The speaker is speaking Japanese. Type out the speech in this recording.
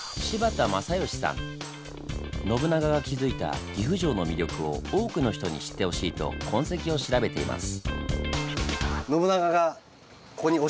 信長が築いた岐阜城の魅力を多くの人に知ってほしいと痕跡を調べています。